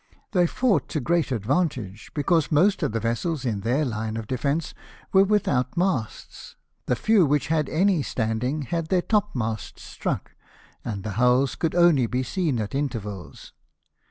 They fought to great advantage, because most of Ihe vessels in their line of defence were without masts ; the few which had any standing had their topmasts struck, and the hulls could only be seen at intervals.